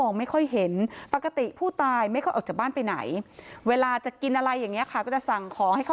และอยู่บ้านคนเดียวมานานนะคะ